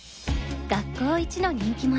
学校一の人気者